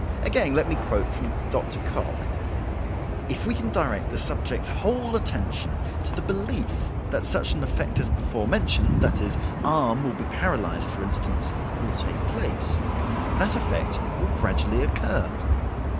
Again let me quote from Dr. Cooke. "If we can direct the subject's whole attention to the belief that such an effect as before mentioned—that his arm will be paralyzed, for instance—will take place, that effect will gradually occur.